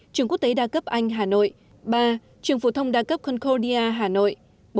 hai trường quốc tế đa cấp anh hà nội ba trường phổ thông đa cấp concordia hà nội